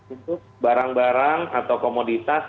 untuk barang barang atau komoditas